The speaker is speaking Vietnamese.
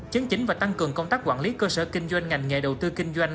chấn chính và tăng cường công tác quản lý cơ sở kinh doanh ngành nghề đầu tư kinh doanh